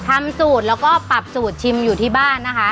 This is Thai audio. ทำสูตรแล้วก็ปรับสูตรชิมอยู่ที่บ้านนะคะ